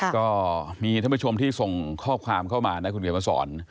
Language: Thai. ก็มีท่านผู้ชมที่ส่งข้อความเข้ามานะคุณเขียนมาสอน